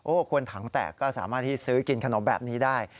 คนถังแตกก็สามารถที่ซื้อกินขนมแบบนี้ได้